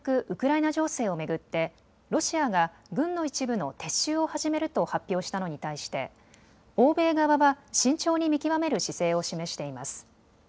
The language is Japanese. ウクライナ情勢を巡ってロシアが軍の一部の撤収を始めると発表したのに対して欧米側は慎重に見極める姿勢を示しています。